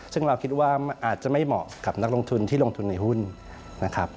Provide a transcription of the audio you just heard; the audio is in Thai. ซึ่งเราคิดว่าอาจจะไม่เหมาะกับนักลงทุนที่ลงทุนในหุ้นนะครับ